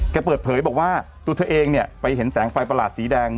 เปิดเผยบอกว่าตัวเธอเองเนี่ยไปเห็นแสงไฟประหลาดสีแดง